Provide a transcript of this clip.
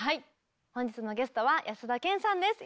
本日のゲストは安田顕さんです。